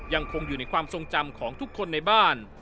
ยังคงอยู่ในความทรงจำของทุกคนในบ้าน